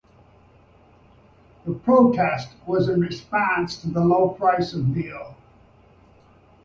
The protest was in response to the low price of veal.